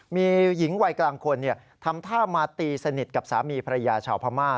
มีหญิงวัยกลางคนทำท่ามาตีสนิทกับสามีภรรยาชาวพม่า